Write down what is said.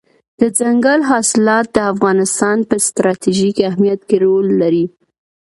دځنګل حاصلات د افغانستان په ستراتیژیک اهمیت کې رول لري.